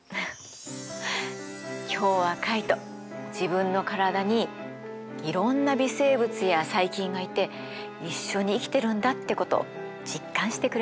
今日はカイト自分の体にいろんな微生物や細菌がいて一緒に生きてるんだってことを実感してくれたみたいです。